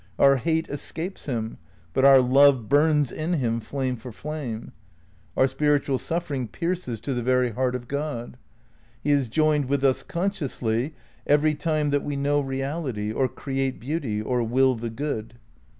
Our hate escapes him, but our love burns in Mm, flame for flame. Our spiritual suffering pierces to the very heart of God. He is joined with us consciously every time that we know reality, or create beauty, or will the good.